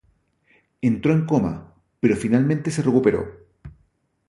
Entró en coma, pero finalmente se recuperó.